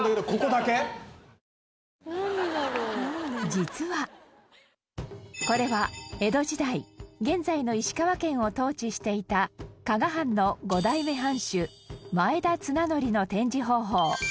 実は、これは江戸時代現在の石川県を統治していた加賀藩の五代目藩主前田綱紀の展示方法